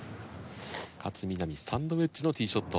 勝みなみサンドウェッジのＴｅｅショット。